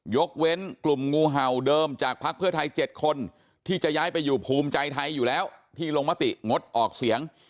ยกเว้นกลุ่มงูเห่าเดิมจากพักเพื่อไทย๗คนที่จะย้ายไปอยู่ภูมิใจไทยอยู่แล้วที่ลงมติงดออกเสียง